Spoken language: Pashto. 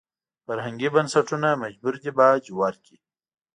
فرهنګي بنسټونه مجبور دي باج ورکړي.